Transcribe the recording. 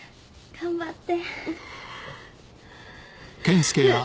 頑張って。